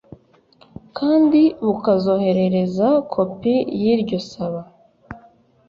kandi bukazoherereza kopi y iryo saba